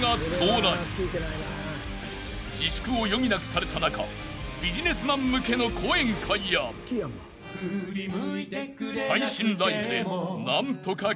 ［自粛を余儀なくされた中ビジネスマン向けの講演会や配信ライブで何とか食いつないできた］